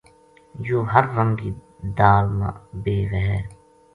یوہ ہر رنگ کی دال ما بے وھے